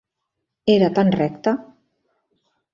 Era tan recte.